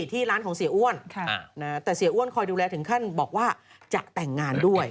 ที่ร้านของเสียอ้วนแต่เสียอ้วนคอยดูแลถึงขั้นบอกว่าจะแต่งงานด้วย